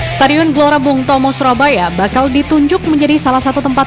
stadion gelora bung tomo surabaya bakal ditunjuk menjadi salah satu tempat